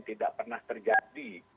tidak pernah terjadi